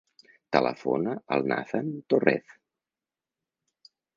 Telefona al Nathan Torrez.